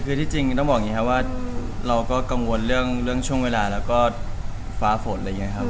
คือที่จริงต้องบอกอย่างนี้ครับว่าเราก็กังวลเรื่องช่วงเวลาแล้วก็ฟ้าฝนอะไรอย่างนี้ครับ